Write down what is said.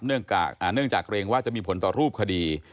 เนื่องจากเกรงว่าจะมีผลต่อรูปคดี